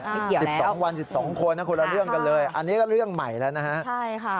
ไม่เกี่ยวแล้วนะครับคุณค่ะอันนี้ก็เรื่องใหม่แล้วนะฮะใช่ค่ะ